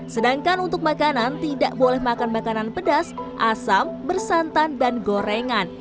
sedangkan untuk makanan tidak boleh makan makanan pedas asam bersantan dan gorengan